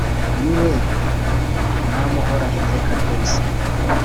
Ni we mwam’uhoraho iteka ryose.